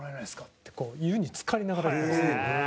ってこう、湯につかりながら言うんですよ。